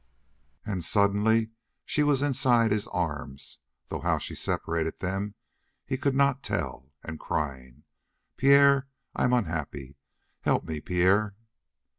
And suddenly she was inside his arms, though how she separated them he could not tell, and crying: "Pierre, I am unhappy. Help me, Pierre!"